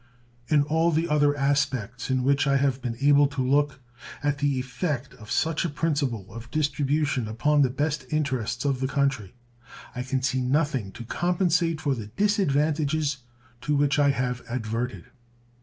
In all the other aspects in which I have been able to look at the effect of such a principle of distribution upon the best interests of the country I can see nothing to compensate for the disadvantages to which I have adverted.